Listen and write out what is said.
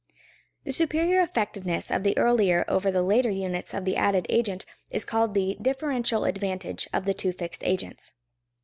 The superior effectiveness of the earlier over the later units of the added agent is called the "differential advantage" of the two fixed agents.